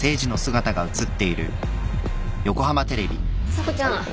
査子ちゃん。